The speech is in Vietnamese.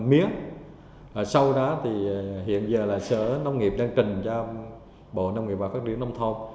miếng sau đó thì hiện giờ là sở nông nghiệp đang trình cho bộ nông nghiệp và các đứa nông thôn